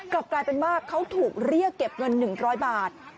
กลับกลายเป็นว่าเขาถูกเรียกเก็บเงิน๑๐๐บาท